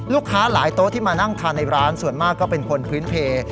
ลูกค้าหลายโต๊ะที่มานั่งทานในร้านส่วนมากก็เป็นคนพื้นเพล